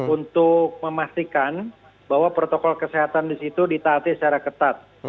untuk memastikan bahwa protokol kesehatan di situ ditaati secara ketat